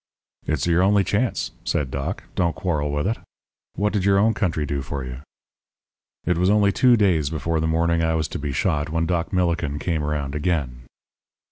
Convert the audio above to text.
"'It's your only chance,' said Doc; 'don't quarrel with it. What did your own country do for you?' "It was only two days before the morning I was to be shot, when Doc Millikin came around again.